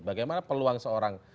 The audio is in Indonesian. bagaimana peluang seorang